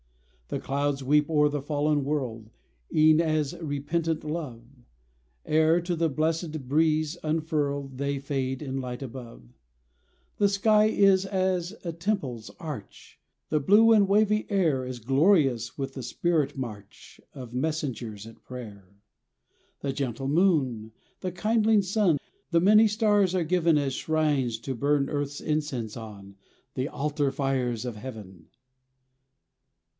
The clouds weep o'er the fallen world, E'en as repentant love; Ere, to the blessed breeze unfurl'd, They fade in light above. The sky is as a temple's arch, The blue and wavy air Is glorious with the spirit march Of messengers at prayer. The gentle moon, the kindling sun, The many stars are given, As shrines to burn earth's incense on, The altar fires of Heaven!